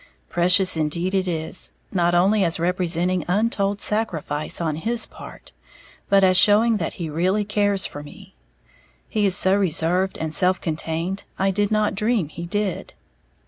Precious indeed it is, not only as representing untold sacrifice on his part, but as showing that he really cares for me, he is so reserved and self contained I did not dream he did.